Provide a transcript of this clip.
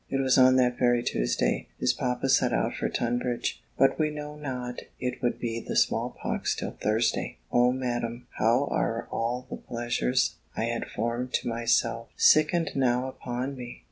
It was on that very Tuesday his papa set out for Tunbridge; but we knew not it would be the small pox till Thursday. O Madam! how are all the pleasures I had formed to myself sickened now upon me!